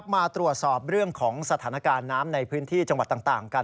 มาตรวจสอบเรื่องของสถานการณ์น้ำในพื้นที่จังหวัดต่างกัน